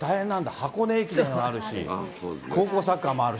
箱根駅伝はあるし、高校サッカーもあるし。